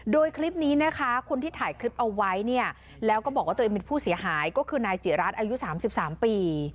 โดยคลิปนี้นะคะคนที่ถ่ายคลิปเอาไว้เนี่ยแล้วก็บอกว่าตัวเองเป็นผู้เสียหายก็คือนายจิรัตน์อายุ๓๓ปี